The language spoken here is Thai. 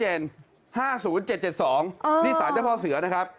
เห็นไหมอ๋อ๕๕๕อันนี้ชัดเจน๕๐๗๗๒นี่สารเจ้าพ่อเสือนะครับ